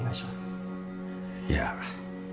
いや。